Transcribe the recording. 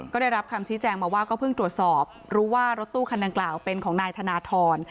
ก็ได้รับคำชี้แจงมาว่าก็เพิ่งตรวจสอบรู้ว่ารถตู้คันดังกล่าวเป็นของนายธนทร